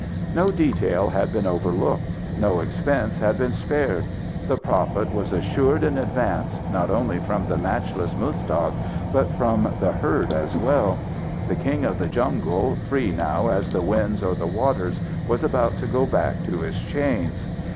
No detail had been overlooked. No expense had been spared. The profit was assured in advance, not only from the matchless Muztagh, but from the herd as well. The king of the jungle, free now as the winds or the waters, was about to go back to his chains.